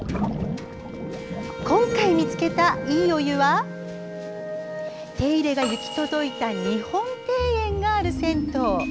今回見つけたいいお湯は手入れが行き届いた日本庭園がある銭湯。